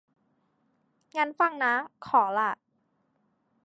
งั้นฟังนะ ขอล่ะ